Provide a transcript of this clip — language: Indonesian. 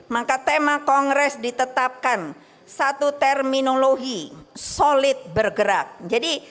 maka tema kongres ditetapkan satu terminologi solid bergerak jadi